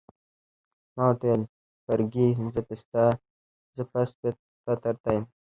ما ورته وویل: فرګي، زه پست فطرته یم؟